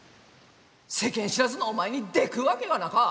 世間知らずのお前にでくっわけがなか！